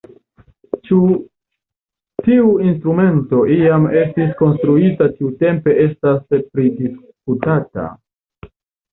Ĉu tiu instrumento iam estis konstruita tiutempe estas pridisputata.